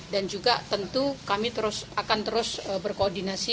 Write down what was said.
dan juga tentu kami akan terus berkoordinasi